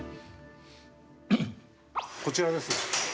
こちらです。